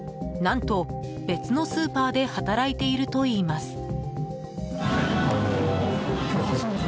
何と、別のスーパーで働いているといいます。